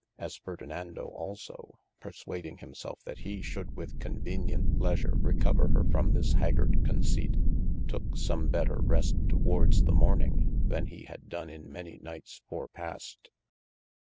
As Ferdinando also (perswading himselfe that he shoulde with convenient leasure recover her from this haggard conceipt) tooke some better rest towardes the morning, than hee had done in many nightes forepast.